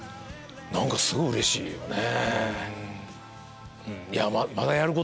何かすごいうれしいよね。